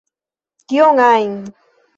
Kion ajn!